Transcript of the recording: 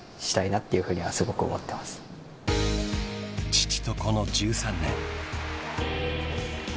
［父と子の１３年］